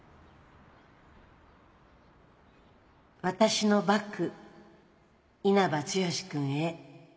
「私のバク稲葉剛くんへ」